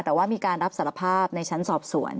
แต่ว่ามีการรับสารภาพในชั้นสอบสวน